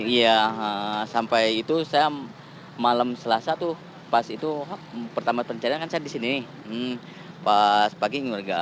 iya sampai itu saya malam selasa tuh pas itu pertama pencarian kan saya di sini pas pagi keluarga